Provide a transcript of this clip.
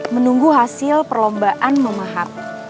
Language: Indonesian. menunggu hasil perlombaan memaham